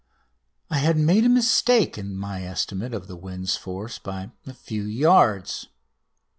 I had made a mistake in my estimate of the wind's force by a few yards.